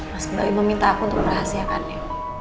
mas kedali meminta aku untuk merahasiakannya